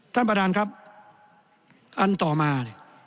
ท่านประดานครับอันต่อมา